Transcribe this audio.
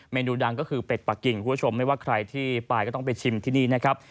เนนูดังก็คือเป็ดปะกิ่งคุณผู้ชมไม่ว่าใครที่ไปก็ต้องไปชิมที่นี่นะครับ